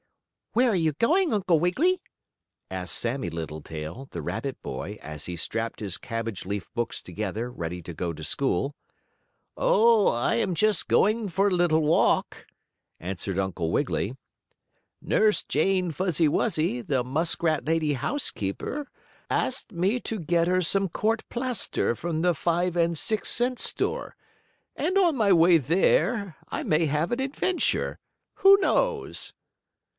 "Where are you going, Uncle Wiggily?" asked Sammie Littletail, the rabbit boy, as he strapped his cabbage leaf books together, ready to go to school. "Oh, I am just going for a little walk," answered Uncle Wiggily. "Nurse Jane Fuzzy Wuzzy, the muskrat lady housekeeper, asked me to get her some court plaster from the five and six cent store, and on my way there I may have an adventure. Who knows?"